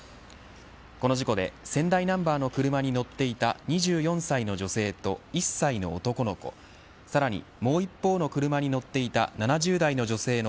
この事故で仙台ナンバーの車に乗っていた２４歳の女性と１歳の男の子さらに、もう一方の車に乗っていた７０代の女性の